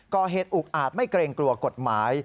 ก่อเหตุอุกอาจไม่เกรงกลัวกฎหมาย